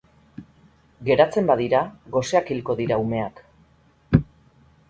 Geratzen badira goseak hilko dira umeak.